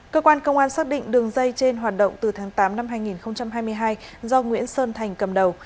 cơ quan công an xác định đường dây trên hoạt động từ tháng tám năm hai nghìn hai mươi hai do nguyễn sơn thành cầm đầu